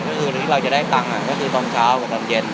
ก็คือที่เราจะได้ตังค์ก็คือตอนเช้ากับตอนเย็น